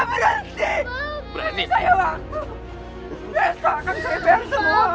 biasa kan saya biarkan semua